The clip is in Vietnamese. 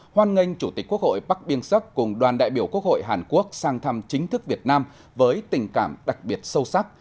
hoan nghênh chủ tịch quốc hội bắc biên sắc cùng đoàn đại biểu quốc hội hàn quốc sang thăm chính thức việt nam với tình cảm đặc biệt sâu sắc